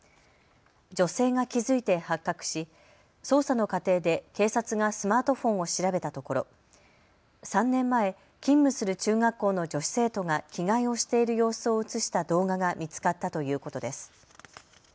女性が気付いて発覚し捜査の過程で警察がスマートフォンを調べたところ３年前、勤務する中学校の女子生徒が着替えをしている様子を映した動画が見つかったということです。